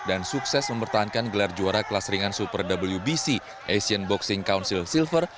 dan sukses mempertahankan gelar juara kelas ringan super wbc asian boxing council silver